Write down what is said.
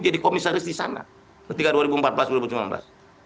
jadi komisaris di sana ketika dua ribu empat belas dua ribu sembilan belas